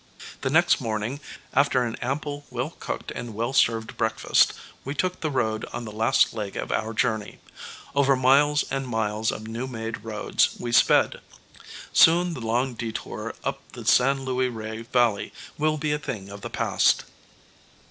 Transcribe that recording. The next morning, after an ample, well cooked and well served breakfast, we took the road on the last leg of our journey. Over miles and miles of new made roads we sped. Soon the long detour up the San Luis Rey Valley will be a thing of the past.